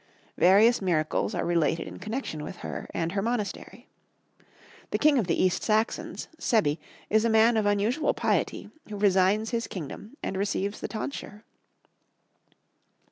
Various miracles are related in connection with her and her monastery. The king of the East Saxons, Sebbi, is a man of unusual piety who resigns his kingdom and receives the tonsure.